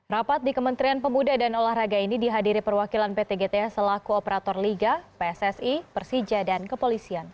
rapat di kementerian pemuda dan olahraga ini dihadiri perwakilan pt gta selaku operator liga pssi persija dan kepolisian